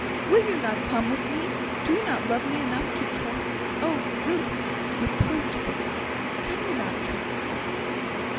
"Will you not come with me? Do you not love me enough to trust me? Oh, Ruth," (reproachfully), "can you not trust me?"